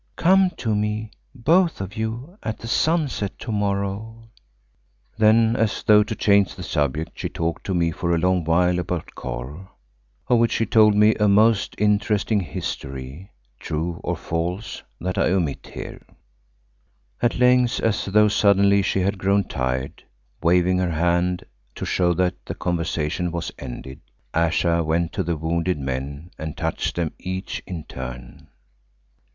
Come to me, both of you, at the sunset to morrow." Then as though to change the subject, she talked to me for a long while about Kôr, of which she told me a most interesting history, true or false, that I omit here. At length, as though suddenly she had grown tired, waving her hand to show that the conversation was ended, Ayesha went to the wounded men and touched them each in turn.